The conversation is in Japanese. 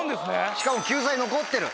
しかも救済残ってる。